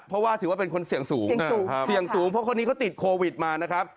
เพราะว่าถือว่าเป็นคนเสี่ยงสูงเสี่ยงสูงเพราะคนนี้เขาติดโควิดมานะครับ